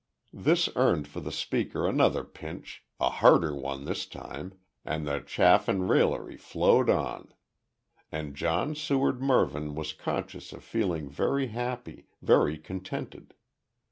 This earned for the speaker another pinch a harder one this time, and the chaff and raillery flowed on. And John Seward Mervyn was conscious of feeling very happy, very contented.